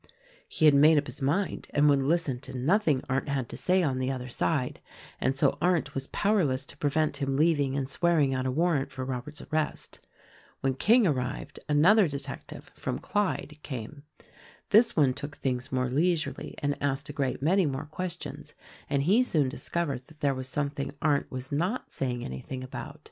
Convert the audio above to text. He had made up his mind and would listen to nothing Arndt had to say on the other side, and so Arndt was powerless to prevent him leaving and swearing out a war rant for Robert's arrest. When King arrived, another detective — from Clyde — THE RECORDING ANGEL 125 came. This one took things more leisurely and asked a great many more questions, and he soon discovered that there was something Arndt was not saying anything about.